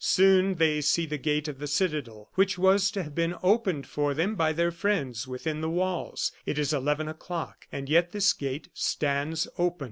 Soon they see the gate of the citadel, which was to have been opened for them by their friends within the walls. It is eleven o'clock, and yet this gate stands open.